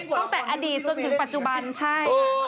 ตั้งแต่อดีตจนถึงปัจจุบันใช่